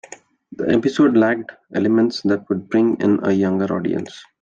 The episode lacked elements that would bring in a younger audience.